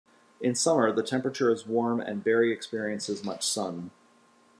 In summer, the temperature is warm and Bury experiences much sun.